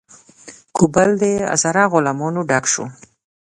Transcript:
کابل له هزاره غلامانو ډک شو.